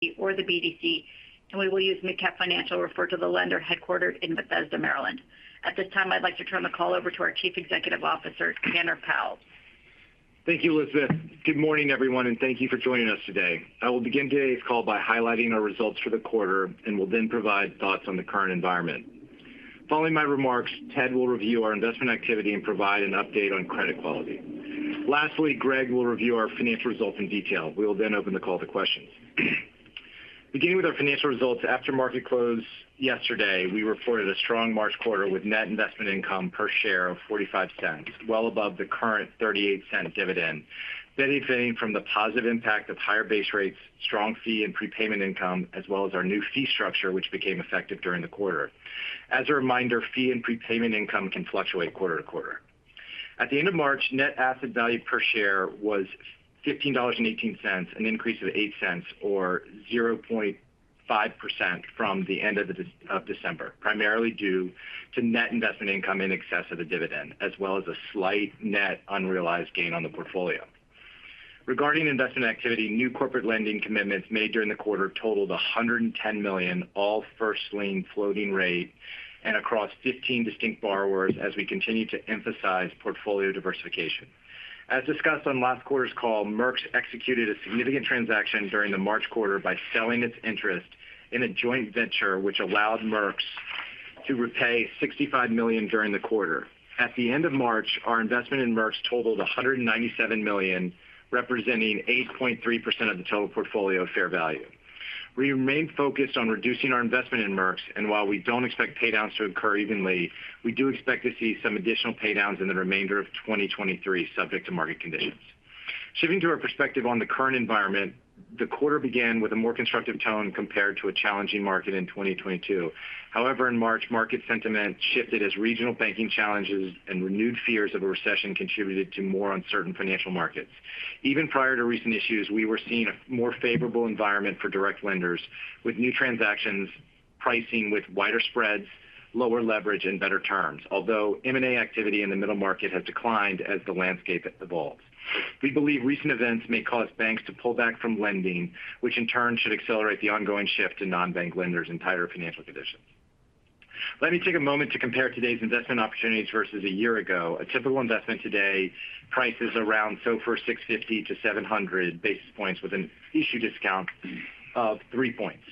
The BDC, and we will use MidCap Financial to refer to the lender headquartered in Bethesda, Maryland. At this time, I'd like to turn the call over to our Chief Executive Officer, Tanner Powell. Thank you, Elizabeth. Good morning, everyone, and thank you for joining us today. I will begin today's call by highlighting our results for the quarter and will then provide thoughts on the current environment. Following my remarks, Ted will review our investment activity and provide an update on credit quality. Lastly, Greg will review our financial results in detail. We will then open the call to questions. Beginning with our financial results, after market close yesterday, we reported a strong March quarter with net investment income per share of $0.45, well above the current $0.38 dividend. Benefiting from the positive impact of higher base rates, strong fee and prepayment income, as well as our new fee structure, which became effective during the quarter. As a reminder, fee and prepayment income can fluctuate quarter to quarter. At the end of March, net asset value per share was $15.18, an increase of $0.08 or 0.5% from the end of December, primarily due to net investment income in excess of the dividend, as well as a slight net unrealized gain on the portfolio. Regarding investment activity, new corporate lending commitments made during the quarter totaled $110 million, all first lien floating rate and across 15 distinct borrowers as we continue to emphasize portfolio diversification. As discussed on last quarter's call, Merx executed a significant transaction during the March quarter by selling its interest in a joint venture which allowed Merx to repay $65 million during the quarter. At the end of March, our investment in Merx totaled $197 million, representing 8.3% of the total portfolio fair value. We remain focused on reducing our investment in Merx, and while we don't expect pay downs to occur evenly, we do expect to see some additional pay downs in the remainder of 2023 subject to market conditions. Shifting to our perspective on the current environment, the quarter began with a more constructive tone compared to a challenging market in 2022. However, in March, market sentiment shifted as regional banking challenges and renewed fears of a recession contributed to more uncertain financial markets. Even prior to recent issues, we were seeing a more favorable environment for direct lenders with new transactions pricing with wider spreads, lower leverage, and better terms. M&A activity in the middle market has declined as the landscape evolves. We believe recent events may cause banks to pull back from lending, which in turn should accelerate the ongoing shift to non-bank lenders in tighter financial conditions. Let me take a moment to compare today's investment opportunities versus a year ago. A typical investment today prices around SOFR 650-700 basis points with an issue discount of 3 points.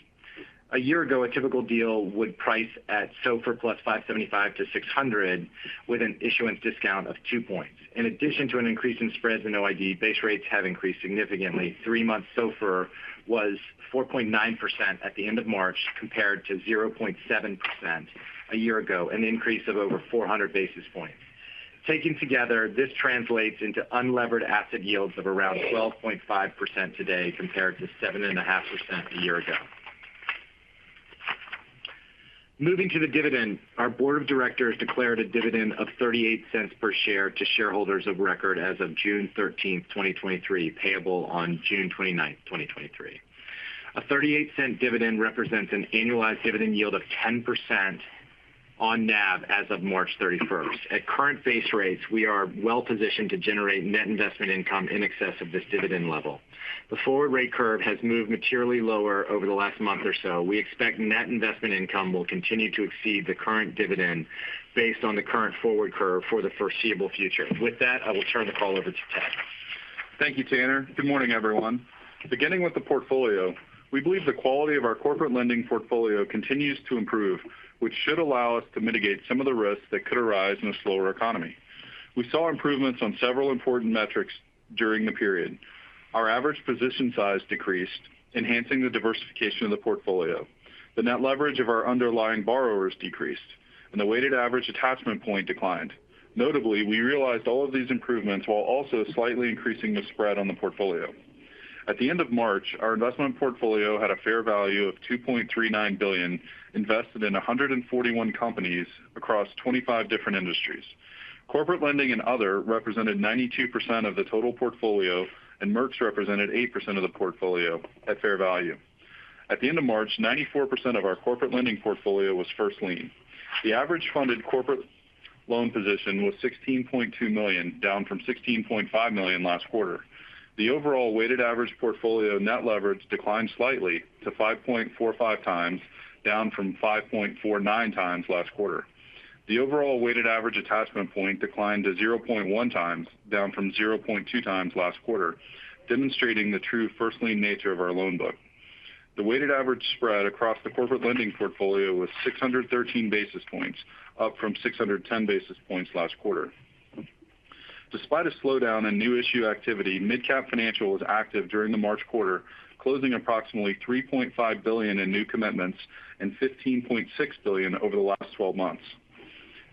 A year ago, a typical deal would price at SOFR plus 575-600 basis points with an issuance discount of 2 points. In addition to an increase in spreads and OID, base rates have increased significantly. 3-month SOFR was 4.9% at the end of March, compared to 0.7% a year ago, an increase of over 400 basis points. Taken together, this translates into unlevered asset yields of around 12.5% today compared to 7.5% a year ago. Moving to the dividend, our board of directors declared a dividend of $0.38 per share to shareholders of record as of June 13, 2023, payable on June 29, 2023. A $0.38 dividend represents an annualized dividend yield of 10% on NAV as of March 31. At current base rates, we are well positioned to generate net investment income in excess of this dividend level. The forward rate curve has moved materially lower over the last month or so. We expect net investment income will continue to exceed the current dividend based on the current forward curve for the foreseeable future. With that, I will turn the call over to Ted. Thank you, Tanner. Good morning, everyone. Beginning with the portfolio, we believe the quality of our corporate lending portfolio continues to improve, which should allow us to mitigate some of the risks that could arise in a slower economy. We saw improvements on several important metrics during the period. Our average position size decreased, enhancing the diversification of the portfolio. The net leverage of our underlying borrowers decreased, and the weighted average attachment point declined. Notably, we realized all of these improvements while also slightly increasing the spread on the portfolio. At the end of March, our investment portfolio had a fair value of $2.39 billion invested in 141 companies across 25 different industries. Corporate lending and other represented 92% of the total portfolio, and Merx represented 8% of the portfolio at fair value. At the end of March, 94% of our corporate lending portfolio was first lien. The average funded corporate loan position was $16.2 million, down from $16.5 million last quarter. The overall weighted average portfolio net leverage declined slightly to 5.45x, down from 5.49x last quarter. The overall weighted average attachment point declined to 0.1x, down from 0.2x last quarter, demonstrating the true first lien nature of our loan book. The weighted average spread across the corporate lending portfolio was 613 basis points, up from 610 basis points last quarter. Despite a slowdown in new issue activity, MidCap Financial was active during the March quarter, closing approximately $3.5 billion in new commitments and $15.6 billion over the last 12 months.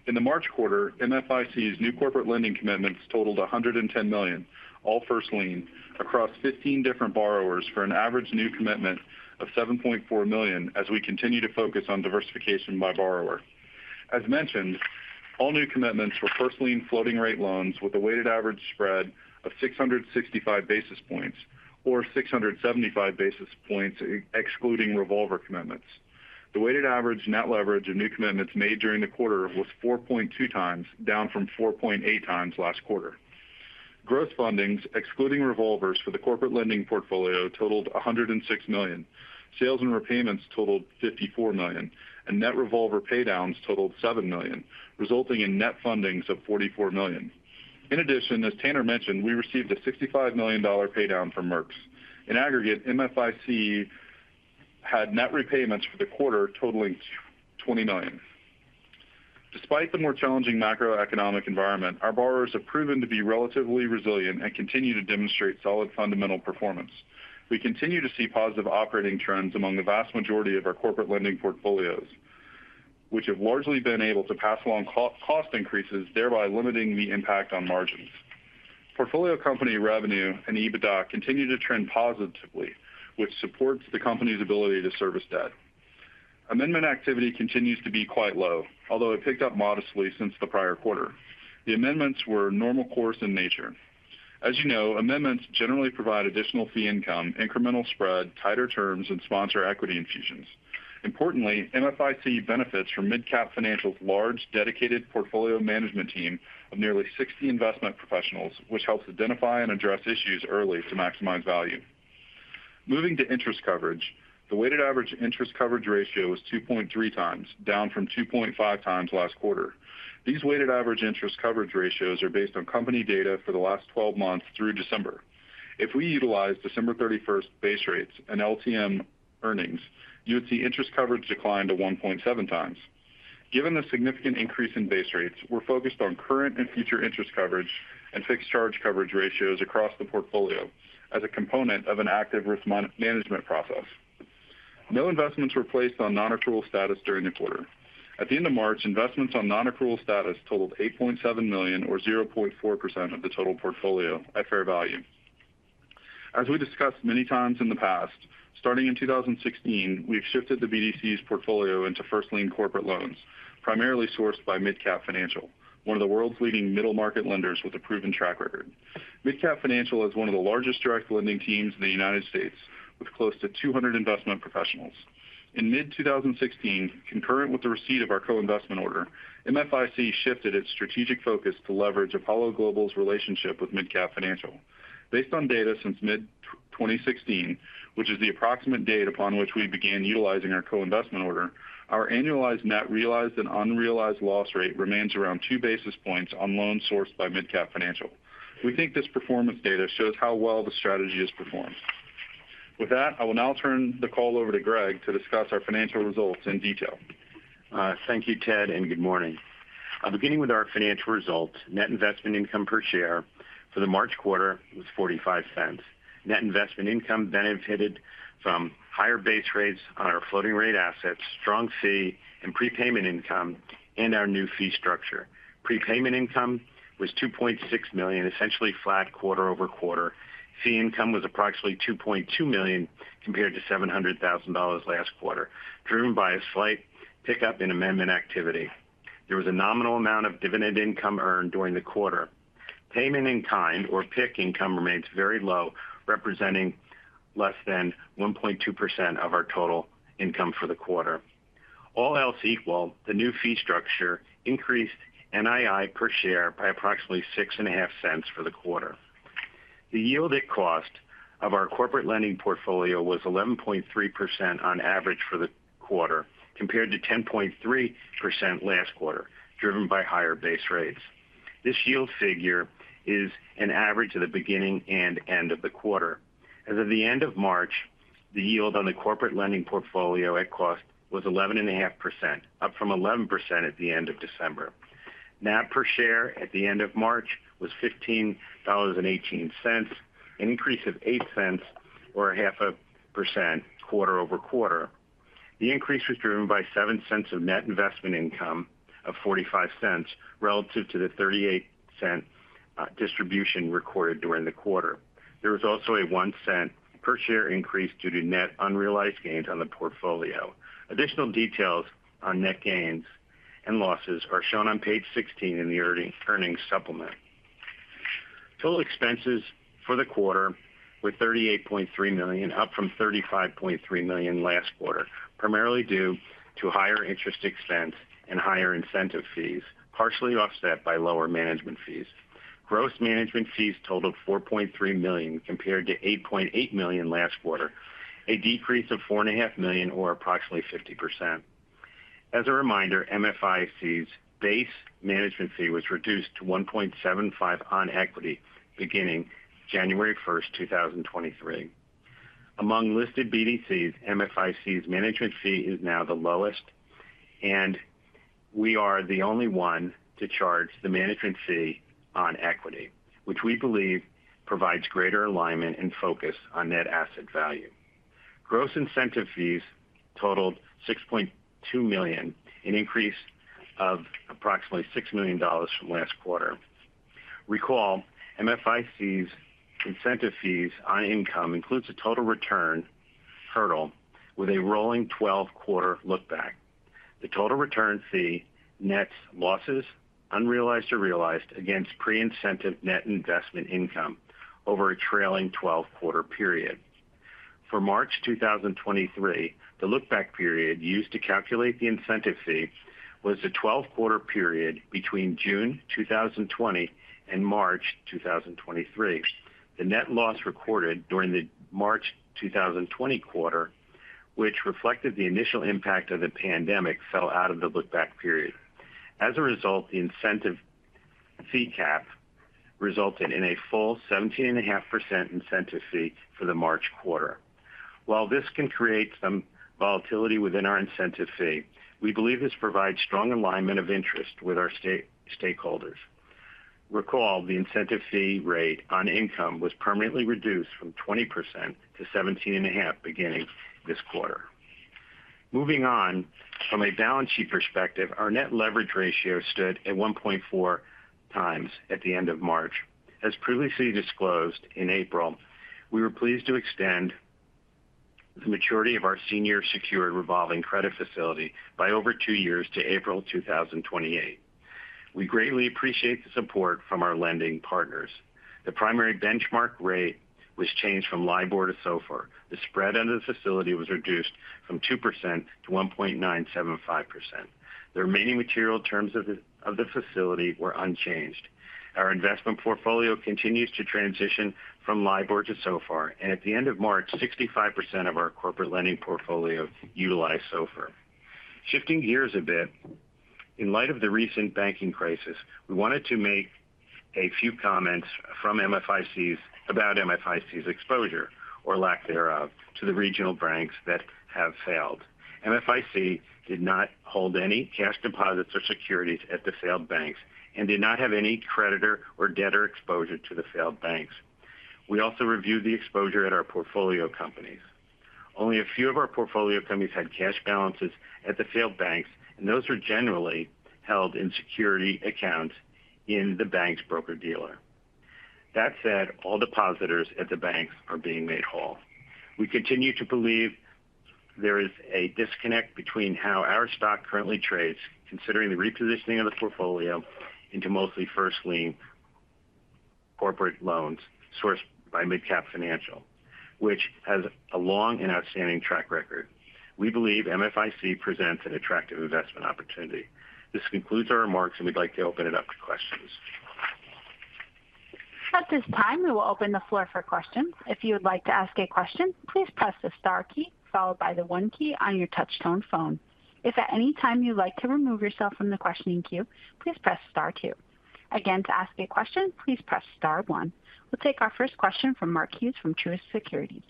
In the March quarter, MFIC's new corporate lending commitments totaled $110 million, all first lien, across 15 different borrowers for an average new commitment of $7.4 million as we continue to focus on diversification by borrower. As mentioned, all new commitments were first lien floating rate loans with a weighted average spread of 665 basis points or 675 basis points excluding revolver commitments. The weighted average net leverage of new commitments made during the quarter was 4.2x, down from 4.8x last quarter. Growth fundings, excluding revolvers for the corporate lending portfolio totaled $106 million. Sales and repayments totaled $54 million, and net revolver paydowns totaled $7 million, resulting in net fundings of $44 million. In addition, as Tanner mentioned, we received a $65 million paydown from Merx. In aggregate, MFIC had net repayments for the quarter totaling $20 million. Despite the more challenging macroeconomic environment, our borrowers have proven to be relatively resilient and continue to demonstrate solid fundamental performance. We continue to see positive operating trends among the vast majority of our corporate lending portfolios, which have largely been able to pass along cost increases, thereby limiting the impact on margins. Portfolio company revenue and EBITDA continue to trend positively, which supports the company's ability to service debt. Amendment activity continues to be quite low, although it picked up modestly since the prior quarter. The amendments were normal course in nature. As you know, amendments generally provide additional fee income, incremental spread, tighter terms, and sponsor equity infusions. Importantly, MFIC benefits from MidCap Financial's large, dedicated portfolio management team of nearly 60 investment professionals, which helps identify and address issues early to maximize value. Moving to interest coverage, the weighted average interest coverage ratio was 2.3x, down from 2.5x last quarter. These weighted average interest coverage ratios are based on company data for the last 12 months through December. If we utilize December 31st base rates and LTM earnings, you would see interest coverage decline to 1.7x. Given the significant increase in base rates, we're focused on current and future interest coverage and fixed charge coverage ratios across the portfolio as a component of an active risk management process. No investments were placed on non-accrual status during the quarter. At the end of March, investments on non-accrual status totaled $8.7 million or 0.4% of the total portfolio at fair value. As we discussed many times in the past, starting in 2016, we've shifted the BDC's portfolio into first lien corporate loans, primarily sourced by MidCap Financial, one of the world's leading middle market lenders with a proven track record. MidCap Financial is one of the largest direct lending teams in the United States, with close to 200 investment professionals. In mid 2016, concurrent with the receipt of our co-investment order, MFIC shifted its strategic focus to leverage Apollo Global's relationship with MidCap Financial. Based on data since mid 2016, which is the approximate date upon which we began utilizing our co-investment order, our annualized net realized and unrealized loss rate remains around 2 basis points on loans sourced by MidCap Financial. We think this performance data shows how well the strategy has performed. With that, I will now turn the call over to Greg to discuss our financial results in detail. Thank you, Ted, good morning. Beginning with our financial results, net investment income per share for the March quarter was $0.45. Net investment income benefited from higher base rates on our floating rate assets, strong fee and prepayment income, and our new fee structure. Prepayment income was $2.6 million, essentially flat quarter-over-quarter. Fee income was approximately $2.2 million compared to $700,000 last quarter, driven by a slight pickup in amendment activity. There was a nominal amount of dividend income earned during the quarter. Payment in kind or PIC income remains very low, representing less than 1.2% of our total income for the quarter. All else equal, the new fee structure increased NII per share by approximately $0.065 for the quarter. The yield at cost of our corporate lending portfolio was 11.3% on average for the quarter, compared to 10.3% last quarter, driven by higher base rates. This yield figure is an average of the beginning and end of the quarter. As of the end of March, the yield on the corporate lending portfolio at cost was 11.5%, up from 11% at the end of December. NAV per share at the end of March was $15.18, an increase of $0.08 or 0.5% quarter-over-quarter. The increase was driven by $0.07 of net investment income of $0.45 relative to the $0.38 distribution recorded during the quarter. There was also a $0.01 per share increase due to net unrealized gains on the portfolio. Additional details on net gains and losses are shown on page 16 in the earnings supplement. Total expenses for the quarter were $38.3 million, up from $35.3 million last quarter, primarily due to higher interest expense and higher incentive fees, partially offset by lower management fees. Gross management fees totaled $4.3 million compared to $8.8 million last quarter, a decrease of four and a half million or approximately 50%. As a reminder, MFIC's base management fee was reduced to 1.75 on equity beginning January 1, 2023. Among listed BDCs, MFIC's management fee is now the lowest, and we are the only one to charge the management fee on equity, which we believe provides greater alignment and focus on net asset value. Gross incentive fees totaled $6.2 million, an increase of approximately $6 million from last quarter. Recall MFIC's incentive fees on income includes a total return hurdle with a rolling 12-quarter look-back. The total return fee nets losses, unrealized or realized, against pre-incentive net investment income over a trailing 12-quarter period. For March 2023, the look-back period used to calculate the incentive fee was the 12-quarter period between June 2020 and March 2023. The net loss recorded during the March 2020 quarter, which reflected the initial impact of the pandemic, fell out of the look-back period. As a result, the incentive fee cap resulted in a full 17.5% incentive fee for the March quarter. While this can create some volatility within our incentive fee, we believe this provides strong alignment of interest with our stakeholders. Recall the incentive fee rate on income was permanently reduced from 20% to 17.5% beginning this quarter. Moving on, from a balance sheet perspective, our net leverage ratio stood at 1.4x at the end of March. As previously disclosed in April, we were pleased to extend the maturity of our senior secured revolving credit facility by over two years to April 2028. We greatly appreciate the support from our lending partners. The primary benchmark rate was changed from LIBOR to SOFR. The spread under the facility was reduced from 2% to 1.975%. The remaining material terms of the facility were unchanged. Our investment portfolio continues to transition from LIBOR to SOFR, and at the end of March, 65% of our corporate lending portfolio utilized SOFR. Shifting gears a bit, in light of the recent banking crisis, we wanted to make a few comments about MFIC's exposure, or lack thereof, to the regional banks that have failed. MFIC did not hold any cash deposits or securities at the failed banks and did not have any creditor or debtor exposure to the failed banks. We also reviewed the exposure at our portfolio companies. Only a few of our portfolio companies had cash balances at the failed banks, and those were generally held in security accounts in the bank's broker-dealer. That said, all depositors at the banks are being made whole. We continue to believe there is a disconnect between how our stock currently trades, considering the repositioning of the portfolio into mostly first lien corporate loans sourced by MidCap Financial, which has a long and outstanding track record. We believe MFIC presents an attractive investment opportunity. This concludes our remarks. We'd like to open it up to questions. At this time, we will open the floor for questions. If you would like to ask a question, please press the star key followed by the one key on your touch tone phone. If at any time you'd like to remove yourself from the questioning queue, please press star two. Again, to ask a question, please press star one. We'll take our first question from Mark Hughes from Truist Securities.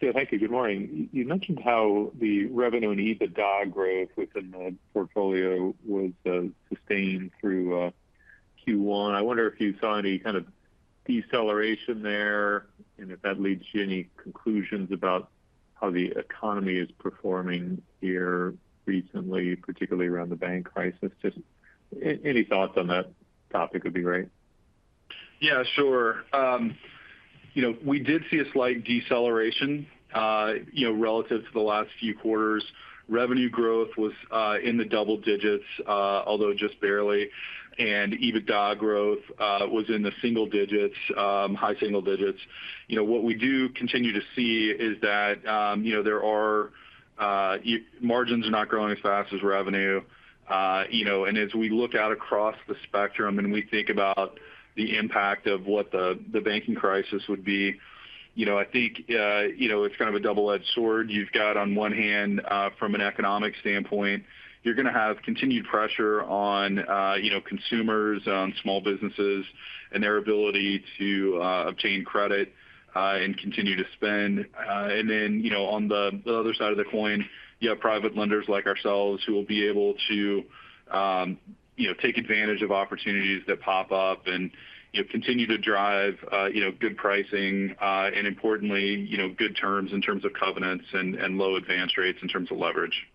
Yeah, thank you. Good morning. You mentioned how the revenue and EBITDA growth within the portfolio was sustained through Q1. I wonder if you saw any kind of deceleration there and if that leads you to any conclusions about how the economy is performing here recently, particularly around the bank crisis. Just any thoughts on that topic would be great. Yeah, sure. you know, we did see a slight deceleration, you know, relative to the last few quarters. Revenue growth was in the double digits, although just barely. EBITDA growth was in the single digits, high single digits. You know, what we do continue to see is that, you know, there are margins are not growing as fast as revenue. you know, and as we look out across the spectrum and we think about the impact of what the banking crisis would be, you know, I think, you know, it's kind of a double-edged sword. You've got on one hand, from an economic standpoint, you're going to have continued pressure on, you know, consumers, on small businesses and their ability to obtain credit and continue to spend. You know, on the other side of the coin, you have private lenders like ourselves who will be able to, you know, take advantage of opportunities that pop up and, you know, continue to drive, you know, good pricing, and importantly, you know, good terms in terms of covenants and low advance rates in terms of leverage.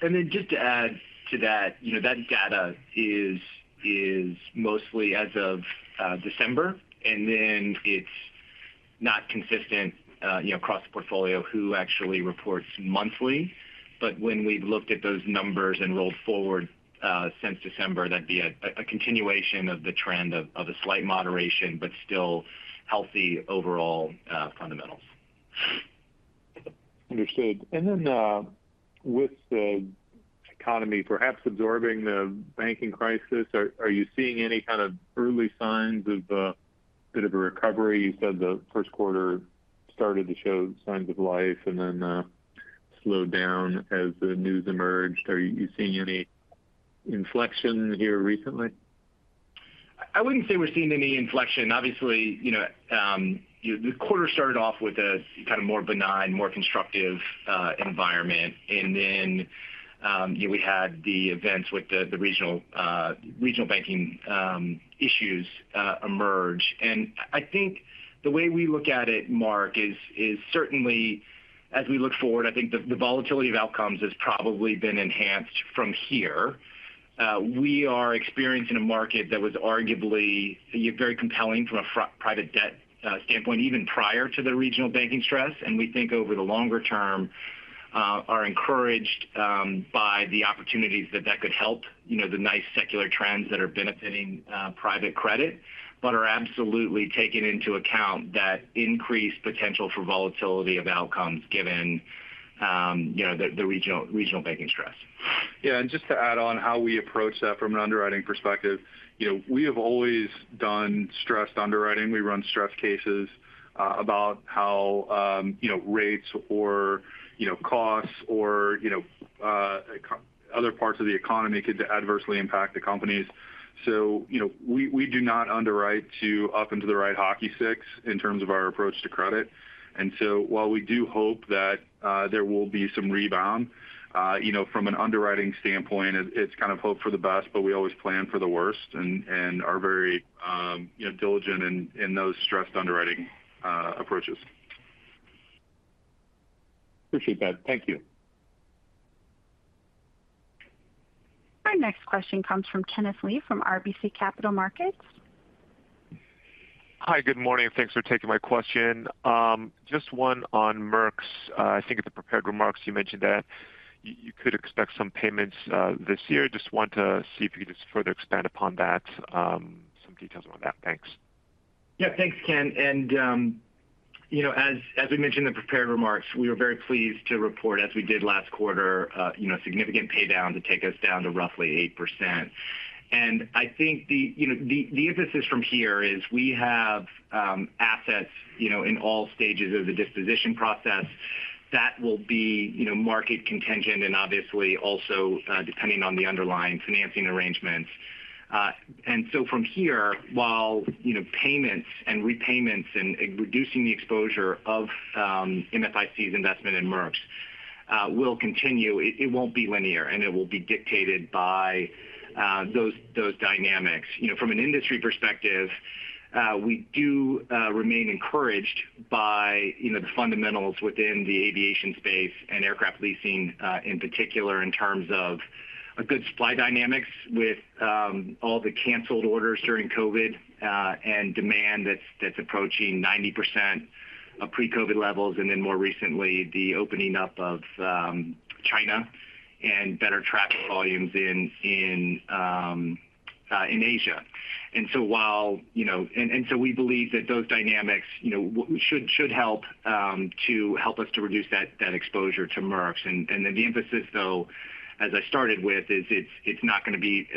Just to add to that, you know, that data is mostly as of December, it's not consistent, you know, across the portfolio who actually reports monthly. When we've looked at those numbers and rolled forward since December, that'd be a continuation of the trend of a slight moderation but still healthy overall fundamentals. Understood. With the economy perhaps absorbing the banking crisis, are you seeing any kind of early signs of a bit of a recovery? You said the first quarter started to show signs of life and then, slowed down as the news emerged. Are you seeing any inflection here recently? I wouldn't say we're seeing any inflection. Obviously, you know, the quarter started off with a kind of more benign, more constructive environment. You know, we had the events with the regional banking issues emerge. I think the way we look at it, Mark, is certainly as we look forward, I think the volatility of outcomes has probably been enhanced from here. We are experiencing a market that was arguably very compelling from a private debt standpoint, even prior to the regional banking stress. We think over the longer term, are encouraged by the opportunities that that could help, you know, the nice secular trends that are benefiting private credit. Are absolutely taking into account that increased potential for volatility of outcomes given, you know, the regional banking stress. Yeah. Just to add on how we approach that from an underwriting perspective. You know, we have always done stressed underwriting. We run stress cases about how, you know, rates or, you know, costs or, you know, other parts of the economy could adversely impact the companies. You know, we do not underwrite to up into the right hockey sticks in terms of our approach to credit. While we do hope that there will be some rebound, you know, from an underwriting standpoint, it's kind of hope for the best, but we always plan for the worst and are very, you know, diligent in those stressed underwriting approaches. Appreciate that. Thank you. Our next question comes from Kenneth Lee from RBC Capital Markets. Hi, good morning. Thanks for taking my question. Just one on Merx. I think in the prepared remarks you mentioned that you could expect some payments this year. Just want to see if you could just further expand upon that, some details on that. Thanks. Yeah. Thanks, Ken. you know, as we mentioned in prepared remarks, we are very pleased to report as we did last quarter, you know, significant pay down to take us down to roughly 8%. I think the, you know, the emphasis from here is we have assets, you know, in all stages of the disposition process that will be, you know, market contingent and obviously also depending on the underlying financing arrangements. From here, while, you know, payments and repayments and reducing the exposure of MFIC's investment in Merx will continue. It won't be linear, and it will be dictated by those dynamics. You know, from an industry perspective, we do remain encouraged by, you know, the fundamentals within the aviation space and aircraft leasing, in particular in terms of a good supply dynamics with all the canceled orders during COVID, and demand that's approaching 90% of pre-COVID levels, more recently, the opening up of China and better traffic volumes in Asia. While, you know. We believe that those dynamics, you know, should help to help us to reduce that exposure to Merx. The emphasis though, as I started with, is it's not gonna be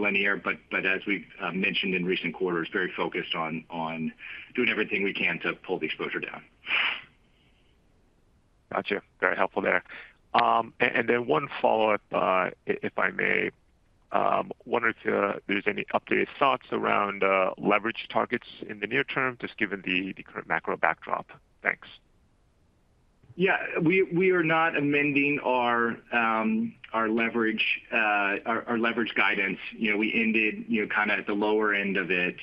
linear, but as we've mentioned in recent quarters, very focused on doing everything we can to pull the exposure down. Gotcha. Very helpful there. And then one follow-up, if I may. Wondering if there's any updated thoughts around leverage targets in the near term, just given the current macro backdrop. Thanks. Yeah. We are not amending our leverage, our leverage guidance. You know, we ended, you know, kind of at the lower end of it.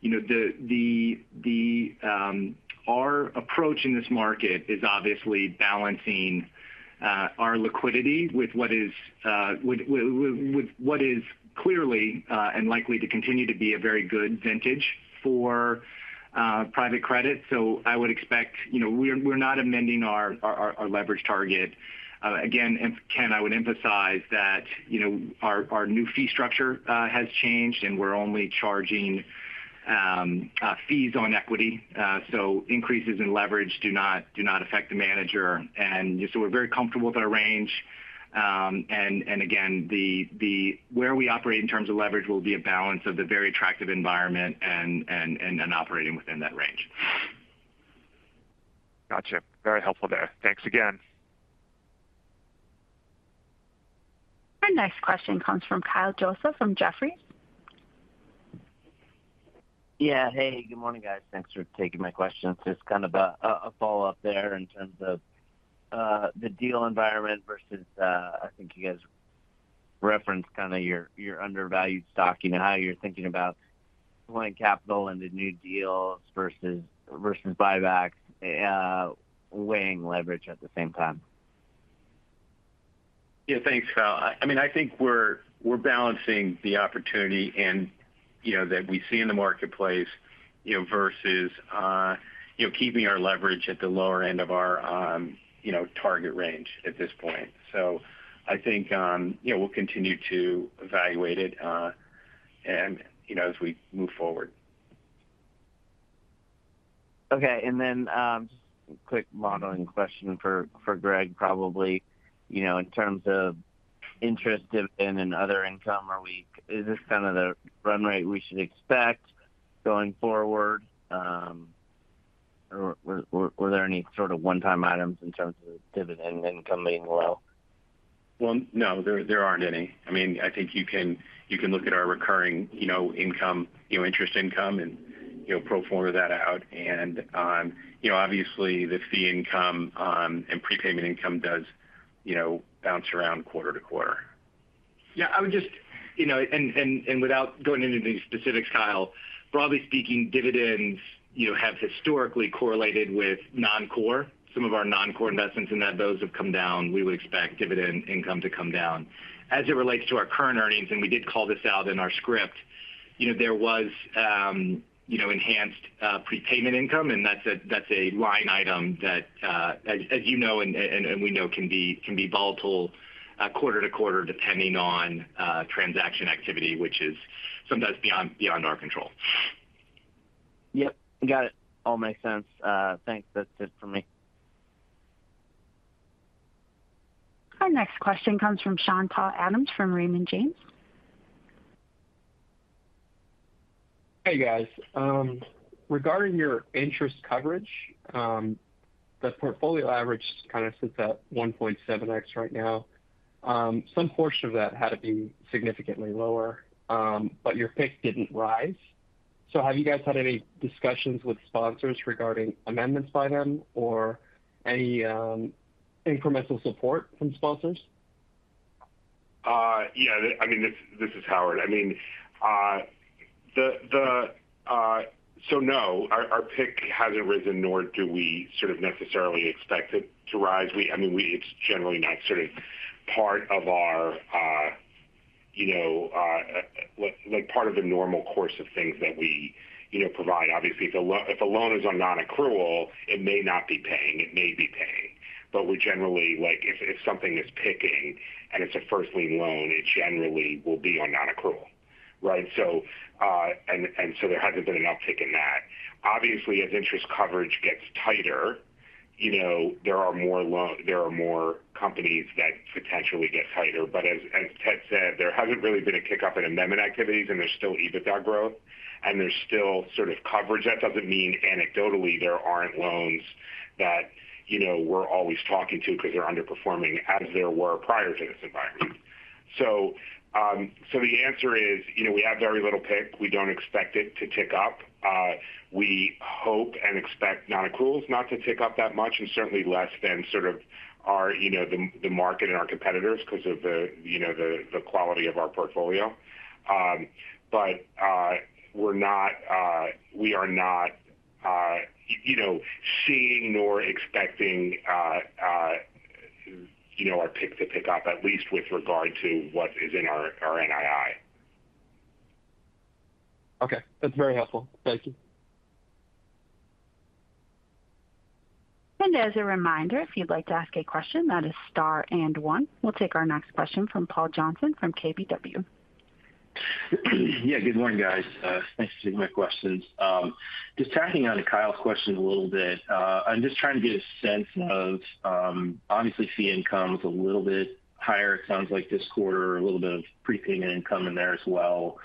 You know, the our approach in this market is obviously balancing our liquidity with what is clearly and likely to continue to be a very good vintage for private credit. I would expect, you know, we're not amending our leverage target. Again, Ken, I would emphasize that, you know, our new fee structure has changed, and we're only charging fees on equity. Increases in leverage do not affect the manager. We're very comfortable with our range. Again, the where we operate in terms of leverage will be a balance of the very attractive environment and operating within that range. Gotcha. Very helpful there. Thanks again. Our next question comes from Kyle Joseph from Jefferies. Yeah. Hey, good morning, guys. Thanks for taking my questions. Just kind of a follow-up there in terms of the deal environment versus, I think you guys referenced kind of your undervalued stock and how you're thinking about deploying capital into new deals versus buybacks, weighing leverage at the same time. Yeah. Thanks, Kyle. I mean, I think we're balancing the opportunity and, you know, that we see in the marketplace, you know, versus, you know, keeping our leverage at the lower end of our, you know, target range at this point. I think, you know, we'll continue to evaluate it, and, you know, as we move forward. Okay. Just a quick modeling question for Greg, probably. You know, in terms of interest dividend and other income, is this kind of the run rate we should expect going forward? Or were there any sort of one-time items in terms of dividend income being low? Well, no, there aren't any. I mean, I think you can look at our recurring, you know, income, you know, interest income and, you know, pro forma that out. You know, obviously the fee income, and prepayment income does, you know, bounce around quarter to quarter. Yeah. I would just, you know, and without going into the specifics, Kyle, broadly speaking, dividends, you know, have historically correlated with non-core. Some of our non-core investments in that those have come down. We would expect dividend income to come down. As it relates to our current earnings, we did call this out in our script. You know, there was, you know, enhanced prepayment income, and that's a line item that, as you know and we know can be volatile, quarter to quarter depending on transaction activity, which is sometimes beyond our control. Yep. Got it. All makes sense. Thanks. That's it for me. Our next question comes from Sean-Paul Adams from Raymond James. Hey, guys. Regarding your interest coverage, the portfolio average kind of sits at 1.7x right now. Some portion of that had to be significantly lower, but your PIC didn't rise. Have you guys had any discussions with sponsors regarding amendments by them or any incremental support from sponsors? Yeah. I mean, this is Howard. I mean, the-- no, our PIC hasn't risen, nor do we sort of necessarily expect it to rise. I mean, we-- it's generally not sort of part of our, you know, like part of the normal course of things that we, you know, provide. Obviously, if a loan is on non-accrual, it may not be paying, it may be paying. We generally. Like, if something is PICing and it's a first lien loan, it generally will be on non-accrual, right? There hasn't been an uptick in that. Obviously, as Interest Coverage gets tighter, you know, there are more companies that potentially get tighter. As Ted said, there hasn't really been a kick-up in amendment activities, and there's still EBITDA growth, and there's still sort of coverage. That doesn't mean anecdotally there aren't loans that, you know, we're always talking to because they're underperforming as there were prior to this environment. The answer is, you know, we have very little PIC. We don't expect it to tick up. We hope and expect non-accruals not to tick up that much, and certainly less than sort of our, you know, the market and our competitors because of the, you know, the quality of our portfolio. We're not, we are not, you know, seeing nor expecting, you know, our PIC to pick up, at least with regard to what is in our NII. Okay. That's very helpful. Thank you. As a reminder, if you'd like to ask a question, that is star and one. We'll take our next question from Paul Johnson from KBW. Good morning, guys. Thanks for taking my questions. Just tacking on to Kyle's question a little bit, I'm just trying to get a sense of, obviously, fee income's a little bit higher, it sounds like this quarter, a little bit of prepayment income in there as well.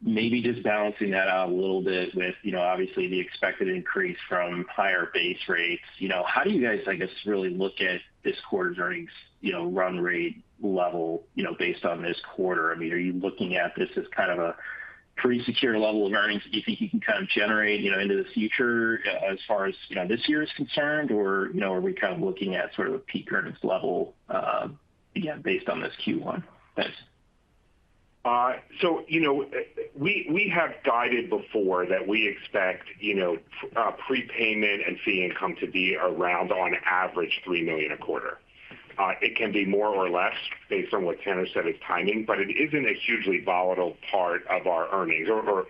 Maybe just balancing that out a little bit with, you know, obviously the expected increase from higher base rates, you know, how do you guys, I guess, really look at this quarter's earnings, you know, run rate level, you know, based on this quarter? I mean, are you looking at this as kind of a pretty secure level of earnings that you think you can kind of generate, you know, into the future as far as, you know, this year is concerned? you know, are we kind of looking at sort of a peak earnings level, again, based on this Q1? Thanks. You know, we have guided before that we expect, you know, prepayment and fee income to be around on average $3 million a quarter. It can be more or less based on what Tanner said, it's timing. It isn't a hugely volatile part of our earnings or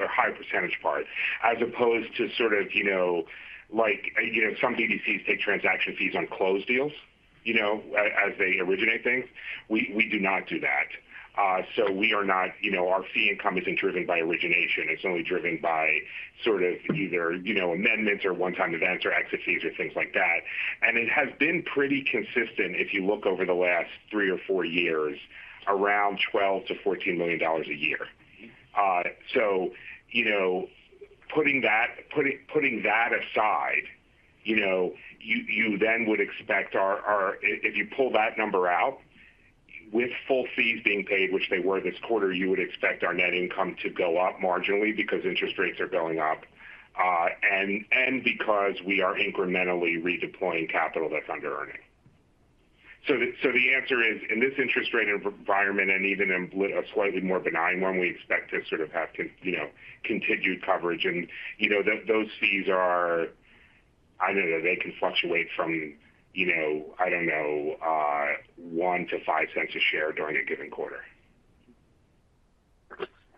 a high percentage part as opposed to sort of, you know, like, you know, some BDCs take transaction fees on closed deals, you know, as they originate things. We do not do that. Our fee income isn't driven by origination. It's only driven by sort of either, you know, amendments or one-time events or exit fees or things like that. It has been pretty consistent if you look over the last 3 or 4 years, around $12 million-$14 million a year. You know, putting that aside, you know, you then would expect our if you pull that number out with full fees being paid, which they were this quarter, you would expect our net income to go up marginally because interest rates are going up, and because we are incrementally redeploying capital that's under earning. The answer is, in this interest rate environment and even in a slightly more benign one, we expect to sort of have continued coverage. You know, those fees are. I don't know. They can fluctuate from, you know, I don't know, $0.01-$0.05 a share during a given quarter.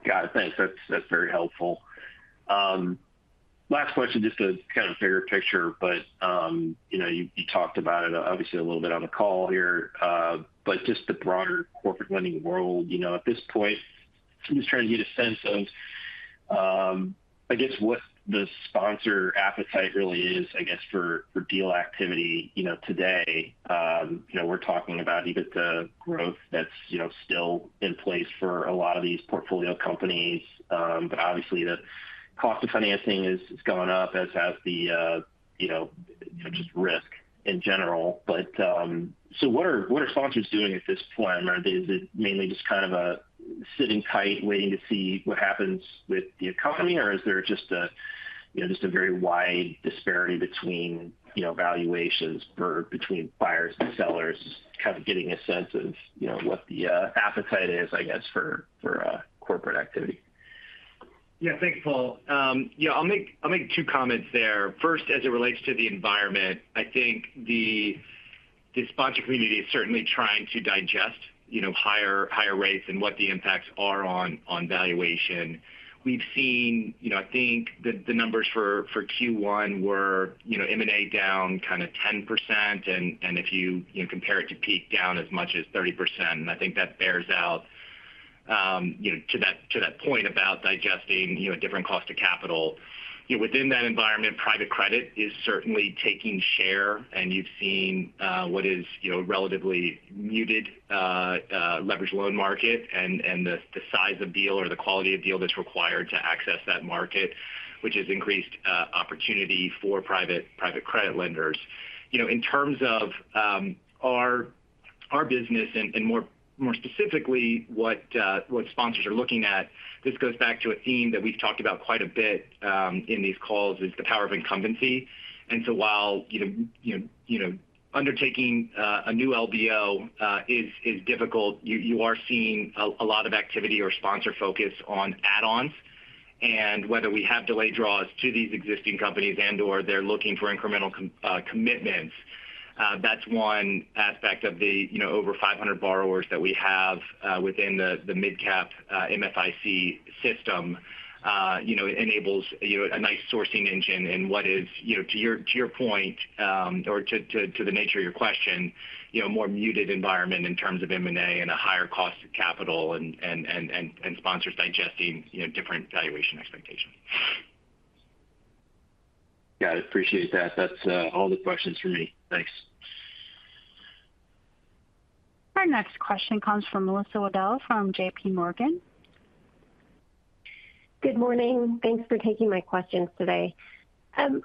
Got it. Thanks. That's very helpful. Last question, just to kind of bigger picture, you know, you talked about it obviously a little bit on the call here. Just the broader corporate lending world. You know, at this point, I'm just trying to get a sense of, I guess, what the sponsor appetite really is, I guess, for deal activity, you know, today. You know, we're talking about EBITDA growth that's, you know, still in place for a lot of these portfolio companies. Obviously the cost of financing is going up as has the, you know, just risk in general. What are sponsors doing at this point? I mean, is it mainly just kind of a sitting tight waiting to see what happens with the economy? Is there just a, you know, just a very wide disparity between, you know, valuations for between buyers and sellers? Kind of getting a sense of, you know, what the appetite is, I guess, for corporate activity. Yeah. Thanks, Paul. Yeah, I'll make, I'll make two comments there. First, as it relates to the environment, I think the sponsor community is certainly trying to digest, you know, higher rates and what the impacts are on valuation. We've seen. You know, I think the numbers for Q1 were, you know, M&A down kind of 10% and if you know, compare it to peak, down as much as 30%. I think that bears out, you know, to that point about digesting, you know, different cost of capital. You know, within that environment, private credit is certainly taking share, and you've seen what is, you know, relatively muted leverage loan market and the size of deal or the quality of deal that's required to access that market, which has increased opportunity for private credit lenders. You know, in terms of our business and more specifically what sponsors are looking at, this goes back to a theme that we've talked about quite a bit in these calls, is the power of incumbency. While, you know, undertaking a new LBL is difficult, you are seeing a lot of activity or sponsor focus on add-ons. Whether we have delayed draws to these existing companies and/or they're looking for incremental commitments, that's one aspect of the, you know, over 500 borrowers that we have within the MidCap, MFIC system. You know, it enables, you know, a nice sourcing engine in what is, you know, to your, to your point, or to the nature of your question, you know, a more muted environment in terms of M&A and a higher cost of capital and sponsors digesting, you know, different valuation expectations. Yeah, I appreciate that. That's all the questions for me. Thanks. Our next question comes from Melissa Wedel from JPMorgan. Good morning. Thanks for taking my questions today.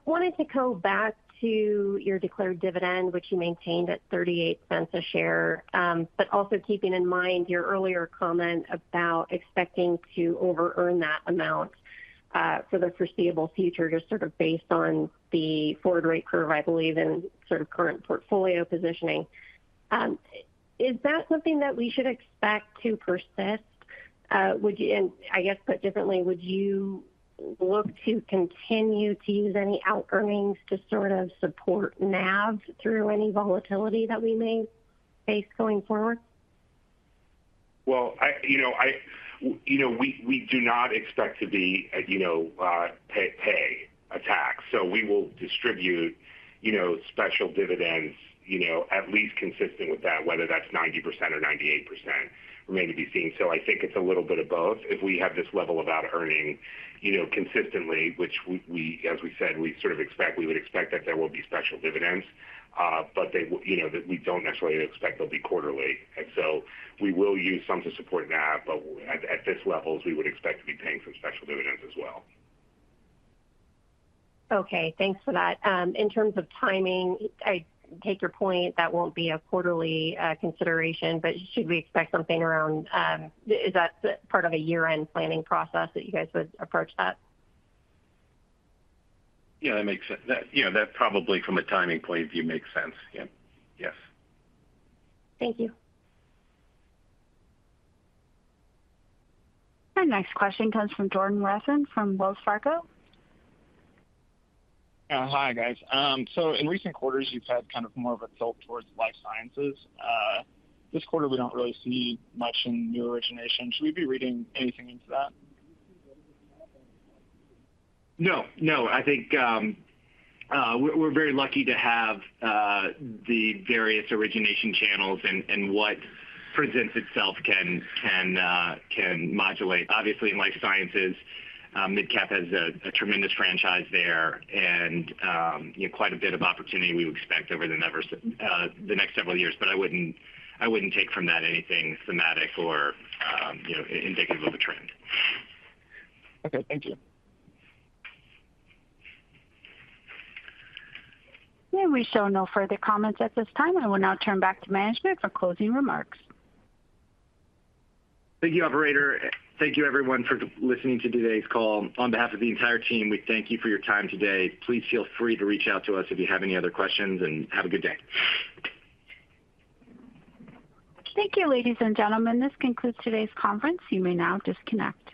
Wanted to go back to your declared dividend, which you maintained at $0.38 a share. Also keeping in mind your earlier comment about expecting to over earn that amount, for the foreseeable future, just sort of based on the forward rate curve, I believe, and sort of current portfolio positioning. Is that something that we should expect to persist? I guess put differently, would you look to continue to use any out earnings to sort of support NAV through any volatility that we may face going forward? Well, I, you know, we do not expect to be, you know, pay a tax. We will distribute, you know, special dividends, you know, at least consistent with that, whether that's 90% or 98%. Remain to be seen. I think it's a little bit of both. If we have this level of out earning, you know, consistently, which we as we said, we sort of expect, we would expect that there will be special dividends, but they will. You know, that we don't necessarily expect they'll be quarterly. We will use some to support NAV, but at this level, we would expect to be paying some special dividends as well. Okay. Thanks for that. In terms of timing, I take your point that won't be a quarterly consideration. Should we expect something around? Is that part of a year-end planning process that you guys would approach that? Yeah, that makes sense. That, you know, that probably from a timing point of view makes sense. Yeah. Yes. Thank you. Our next question comes from Finian O'Shea from Wells Fargo. Hi, guys. In recent quarters, you've had kind of more of a tilt towards life sciences. This quarter we don't really see much in new origination. Should we be reading anything into that? No, no. I think we're very lucky to have the various origination channels and what presents itself can modulate. Obviously in life sciences, MidCap has a tremendous franchise there and, you know, quite a bit of opportunity we would expect over the next several years. I wouldn't, I wouldn't take from that anything thematic or, you know, indicative of a trend. Okay. Thank you. Yeah. We show no further comments at this time. I will now turn back to management for closing remarks. Thank you, operator. Thank you everyone for listening to today's call. On behalf of the entire team, we thank you for your time today. Please feel free to reach out to us if you have any other questions, and have a good day. Thank you, ladies and gentlemen. This concludes today's conference. You may now disconnect.